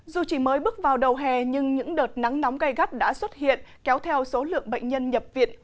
dù chỉ mới bước vào đầu hè nhưng những đợt nắng nóng gây gắt đã xuất hiện kéo theo số lượng bệnh nhân nhập viện